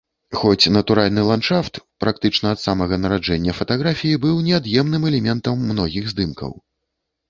Хоць натуральны ландшафт практычна ад самага нараджэння фатаграфіі быў неад'емным элементам многіх здымкаў.